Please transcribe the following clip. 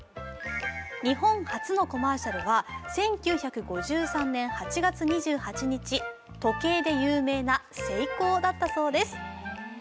日本初のコマーシャルは１９５３年８月２８日、時計で有名なセイコーだったそうです。